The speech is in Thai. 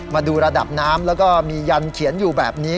มาดูระดับน้ำแล้วก็มียันเขียนอยู่แบบนี้